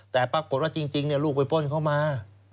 แต่ปรากฏว่าจริงลูกไปป้นเข้ามา